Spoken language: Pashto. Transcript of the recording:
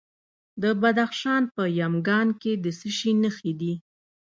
د بدخشان په یمګان کې د څه شي نښې دي؟